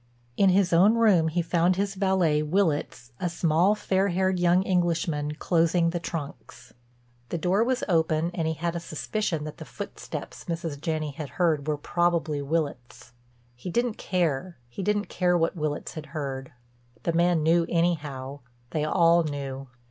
In his own room he found his valet, Willitts, a small, fair haired young Englishman, closing the trunks. The door was open and he had a suspicion that the footsteps Mrs. Janney had heard were probably Willitts'. He didn't care, he didn't care what Willitts had heard. The man knew anyhow; they all knew.